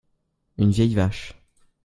une vieille vache.